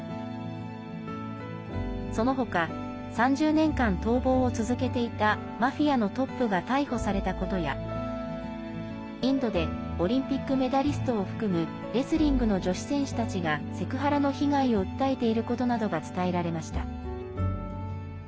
その他３０年間、逃亡を続けていたマフィアのトップが逮捕されたことやインドでオリンピックメダリストを含むレスリングの女子選手たちがセクハラの被害を訴えていることなどが伝えられました。